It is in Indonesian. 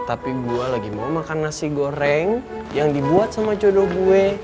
tapi gue lagi mau makan nasi goreng yang dibuat sama codo gue